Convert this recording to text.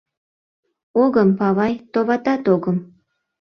— Огым, павай, товатат, огым!